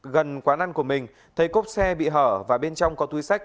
gần quán ăn của mình thấy cốp xe bị hở và bên trong có túi sách